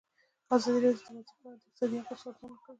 ازادي راډیو د ورزش په اړه د اقتصادي اغېزو ارزونه کړې.